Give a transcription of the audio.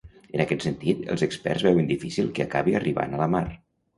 En aquest sentit, els experts veuen difícil que acabi arribant a la mar.